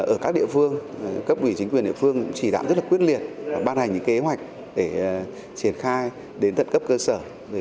ở các địa phương cấp ủy chính quyền địa phương chỉ đảm rất quyết liệt và ban hành những kế hoạch để triển khai đến tận cấp cơ sở